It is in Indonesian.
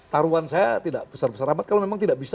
taruhan saya tidak besar besar amat kalau memang tidak bisa